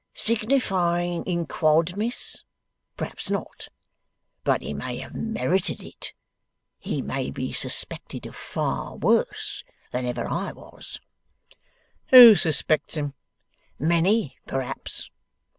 'Signifying in Quod, Miss? Perhaps not. But he may have merited it. He may be suspected of far worse than ever I was.' 'Who suspects him?' 'Many, perhaps.